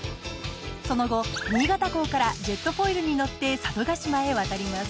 その後新潟港からジェットフォイルに乗って佐渡島へ渡ります。